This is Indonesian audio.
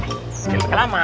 bikin teka lama